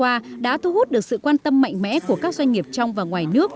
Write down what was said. qua đã thu hút được sự quan tâm mạnh mẽ của các doanh nghiệp trong và ngoài nước